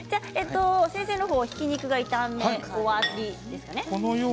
先生の方がひき肉が炒め終わりですかね。